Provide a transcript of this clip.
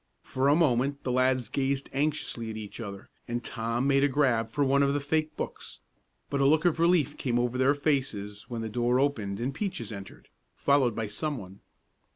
For a moment the lads gazed anxiously at each other, and Tom made a grab for one of the fake books, but a look of relief came over their faces when the door opened and Peaches entered, followed by some one.